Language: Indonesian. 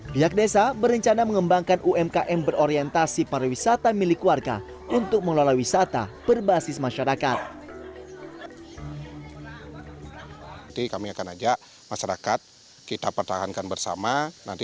pihak desa berencana mengembangkan umkm berorientasi pariwisata milik warga untuk mengelola wisata berbasis masyarakat